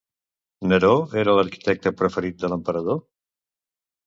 Neró era l'arquitecte preferit de l'emperador?